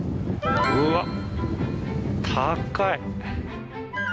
うわっ、高い！